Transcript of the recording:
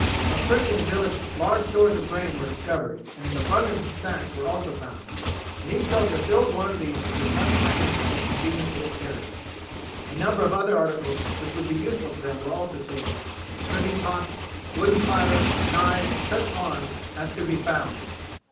On searching the village large stores of grain were discovered and abundance of sacks were also found, and each soldier filled one of these with as much grain as he could conveniently carry. A number of other articles which would be useful to them were also taken cooking pots, wooden platters, knives, and such arms as could be found.